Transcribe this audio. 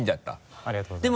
ありがとうございます。